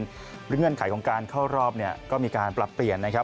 เงื่อนไขของการเข้ารอบเนี่ยก็มีการปรับเปลี่ยนนะครับ